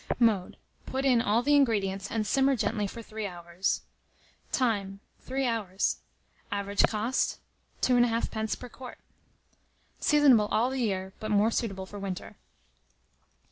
Mode. Put in all the ingredients, and simmer gently for 3 hours. Time. 3 hours. Average cost, 2 1/2d. per quart. Seasonable all the year, but more suitable for winter.